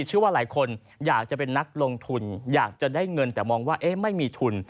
เชื่อว่าหลายคนอยากจะเป็นนักลงทุนอยากจะได้เงินแต่มองว่าไม่มีทุน